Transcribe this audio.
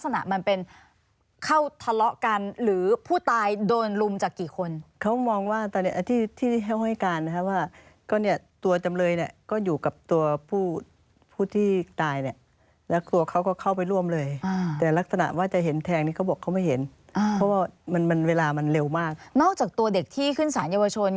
นอกจากตัวเด็กที่ขึ้นศาลยาวชน